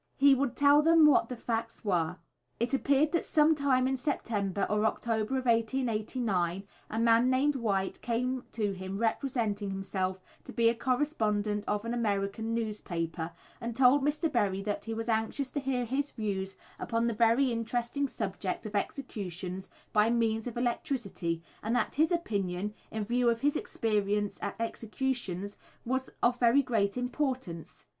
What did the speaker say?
He would tell them what the facts were. It appeared that some time in September or October of 1889 a man named White came to him representing himself to be a correspondent of an American newspaper, and told Mr. Berry that he was anxious to hear his views upon the very interesting subject of executions by means of electricity, and that his opinion, in view of his experience at executions, was of very great importance.